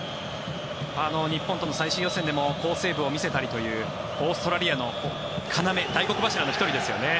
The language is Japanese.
日本との最終予選でも好セーブを見せたりというオーストラリアの要大黒柱の１人ですよね。